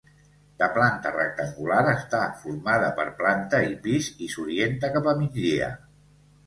De planta rectangular, està formada per planta i pis i s'orienta cap a migdia.